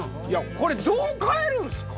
これどう変えるんすか？